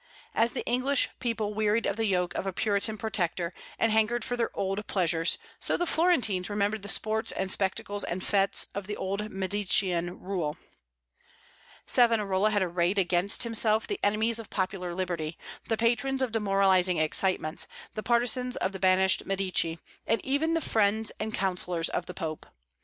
As the English people wearied of the yoke of a Puritan Protector, and hankered for their old pleasures, so the Florentines remembered the sports and spectacles and fêtes of the old Medicean rule. Savonarola had arrayed against himself the enemies of popular liberty, the patrons of demoralizing excitements, the partisans of the banished Medici, and even the friends and counsellors of the Pope.